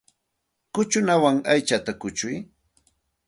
Kuchukuwan aychata kuchuy.